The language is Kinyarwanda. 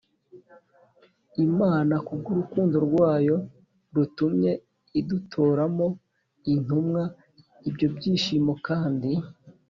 imana ku bw’urukundo rwayo rutumye idutoramo intumwa. ibyo byishimo kandi